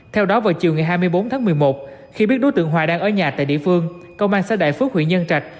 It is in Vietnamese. theo đó vào chiều ngày hai mươi bốn tháng một mươi một khi biết đối tượng hòa đang ở nhà tại địa phương công an xã đại phước huyện nhân trạch